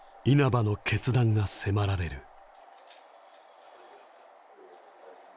稲葉の決断が迫られる。